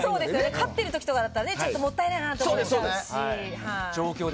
勝ってる時とかだったらもったいなと思いますし。